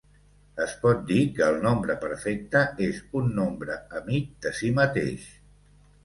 Es pot dir que el nombre perfecte és un nombre amic de si mateix.